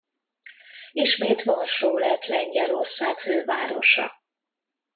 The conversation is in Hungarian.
Ismét Varsó lett Lengyelország fővárosa.